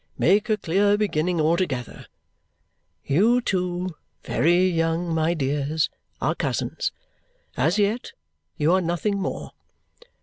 Make a clear beginning altogether. You two (very young, my dears) are cousins. As yet, you are nothing more.